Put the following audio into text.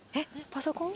パソコン？